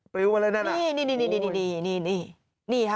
กล้องวงจรปิดจับภาพด้วยหมดเลยนะคะ